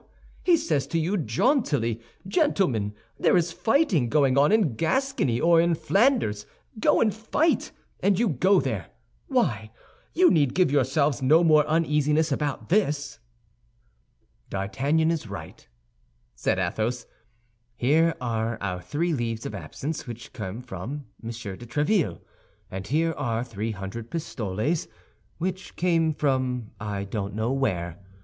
He says to you jauntily, 'Gentlemen, there is fighting going on in Gascony or in Flanders; go and fight,' and you go there. Why? You need give yourselves no more uneasiness about this." "D'Artagnan is right," said Athos; "here are our three leaves of absence which came from Monsieur de Tréville, and here are three hundred pistoles which came from I don't know where.